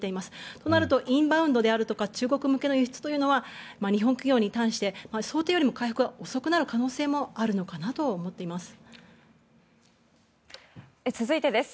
となるとインバウンドであるとか中国向けの輸出というのは日本企業に関して想定よりも回復が遅くなる可能性もあるのかなと思っています。